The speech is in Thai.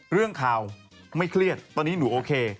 เรื่องข่าวไม่เครียดตอนนี้หนูโอเค